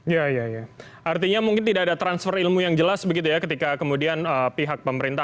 ya iya artinya mungkin tidak ada transfer ilmu yang jelas begitu ya ketika kemudian pihak pemerintah